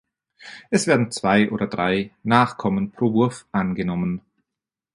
Es werden zwei oder drei Nachkommen pro Wurf angenommen.